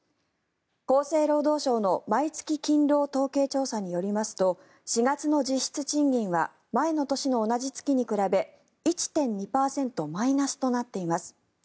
厚生労働省の毎月勤労統計調査によりますと４月の実質賃金は前の年の同じ月に比べ１．２％マイナスとなっています。